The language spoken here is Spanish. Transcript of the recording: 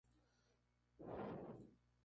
Jenkins está enterrado en el cementerio de Gaiman.